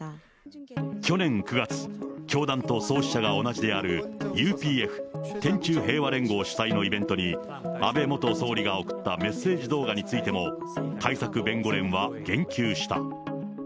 去年９月、教団と創始者が同じであるＵＰＦ・天宙平和連合主催のイベントに、安倍元総理が送ったメッセージ動画についても、対策弁護連は言及した。